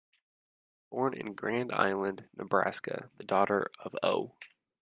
Born in Grand Island, Nebraska, the daughter of O.